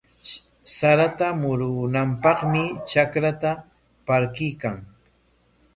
Sarata murunanpaqmi trakranta parquykan.